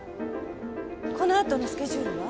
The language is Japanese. この後のスケジュールは？